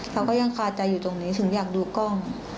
เราก็ยังคาใจอยู่ตรงนี้ถึงอยากดูกล้อง